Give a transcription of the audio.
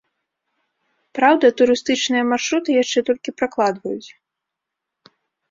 Праўда, турыстычныя маршруты яшчэ толькі пракладваюць.